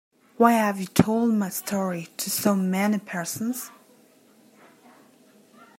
Why have you told my story to so many persons?